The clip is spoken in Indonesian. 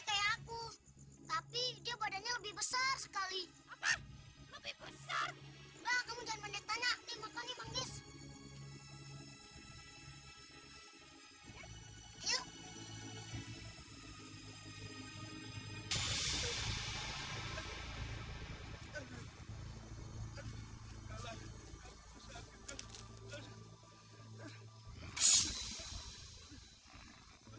tapi dia badannya lebih besar sekali lebih besar kamu jangan menekan ya nih